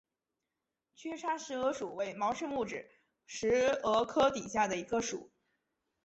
缺叉石蛾属为毛翅目指石蛾科底下的一个属。